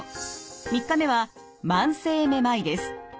３日目は慢性めまいです。